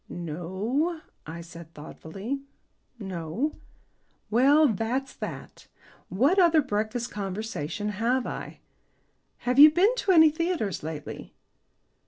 "No," I said thoughtfully; "no." "Well, that's that. What other breakfast conversation have I? Have you been to any theatres lately?"